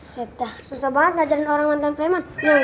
susah banget ngajarin orang mantan preman